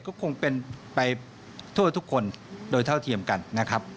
ก็คงเป็นไปทั่วทุกคนโดยเท่าเทียมกันนะครับ